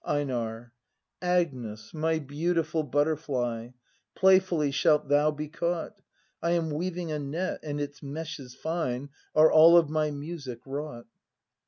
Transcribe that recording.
] EiNAR. Agnes, my beautiful butterfly. Playfully shalt thou be caught! I am weaving a net, and its meshes fine Are all of my music wrought!